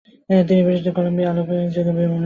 তিনি ব্রিটিশ কলাম্বিয়ার আপিল আদালতের বিচারক মনোনীত হন।